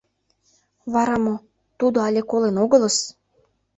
— Вара мо, тудо але колен огылыс?